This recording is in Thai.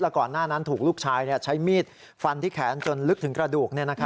ก่อนหน้านั้นถูกลูกชายใช้มีดฟันที่แขนจนลึกถึงกระดูก